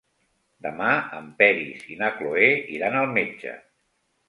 Demà en Peris i na Cloè iran al metge.